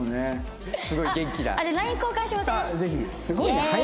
すごいね。